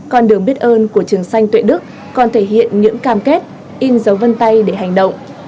con đường biết ơn của trường xanh tuệ đức còn thể hiện những cam kết in dấu vân tay để hành động